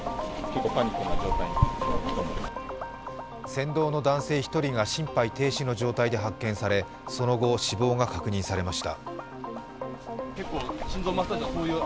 船頭の男性１人が心肺停止の状態で発見されその後、死亡が確認されました。